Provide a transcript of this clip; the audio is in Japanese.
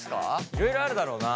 いろいろあるだろうな。